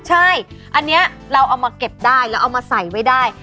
ใช่อันนี้เราเอามาเก็บได้เราเอามาใส่ไว้ได้